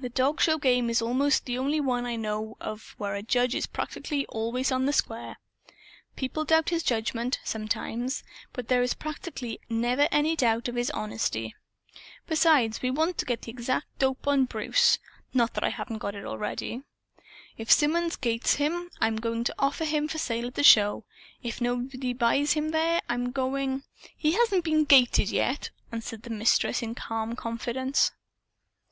The dog show game is almost the only one I know of where a judge is practically always on the square. People doubt his judgment, sometimes, but there is practically never any doubt of his honesty. Besides, we want to get the exact dope on Bruce. (Not that I haven't got it, already!) If Symonds 'gates' him, I'm going to offer him for sale at the show. If nobody buys him there, I'm going " "He hasn't been 'gated' yet," answered the Mistress in calm confidence.